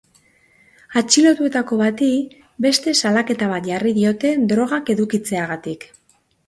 Atxilotuetako bati beste salaketa bat jarri diote drogak edukitzeagatik.